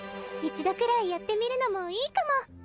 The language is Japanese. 一度くらいやってみるのもいいかも。